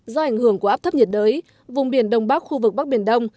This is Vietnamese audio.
do ảnh hưởng của áp thấp nhiệt đới vùng biển đông bắc khu vực bắc biển đông